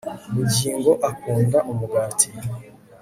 bugingo akunda umugati